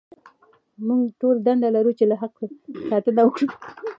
موږ ټول دنده لرو چې له حق ساتنه وکړو.